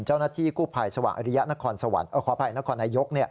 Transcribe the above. เจ้าหน้าที่กู่ภัยสวรรยะนครนายก